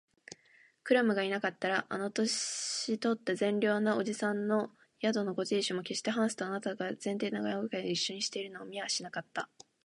クラムがいなかったら、あの年とった善良な伯父さんの宿のご亭主も、けっしてハンスとあなたとが前庭でなごやかにいっしょにいるのを見はしなかった